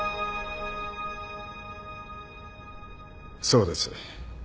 そうです。